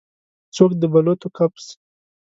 څوک د بلوطو کپس